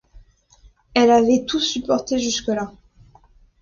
Elle avait tout supporté jusque-là.